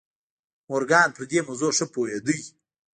مورګان پر دې موضوع ښه پوهېده.